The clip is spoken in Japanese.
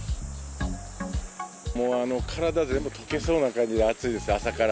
もう体全部溶けそうな感じで暑いです、朝から。